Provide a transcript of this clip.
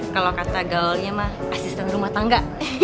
kalau kata gaulnya mah asisten rumah tangga